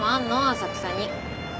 浅草に。